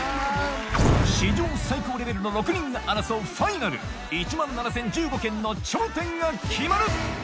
史上最高レベルの６人が争うファイナル１万７０１５件の頂点が決まる！